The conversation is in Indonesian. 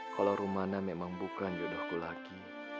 kalau rumana memang bukan jodohku laki